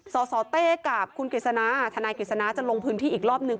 สสเต้กับคุณกฤษณาทนายกฤษณะจะลงพื้นที่อีกรอบนึง